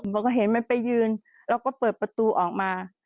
บอกว่าเห็นมันไปยืนเราก็เปิดประตูออกมา